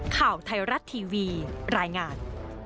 ข่าวไทยรัฐทีวีรายงาน